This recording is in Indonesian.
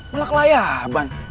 malah ke layaban